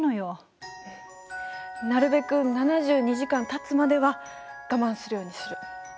うん。なるべく７２時間たつまでは我慢するようにする。